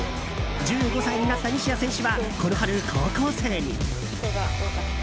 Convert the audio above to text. １５歳になった西矢選手はこの春、高校生に。